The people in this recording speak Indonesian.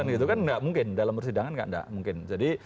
itu kan tidak mungkin dalam persidangan tidak mungkin